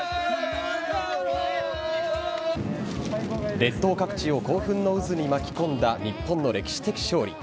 列島各地を興奮の渦に巻き込んだ日本の歴史的勝利。